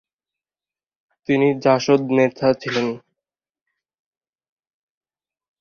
তিনি জাসদ নেতা ছিলেন।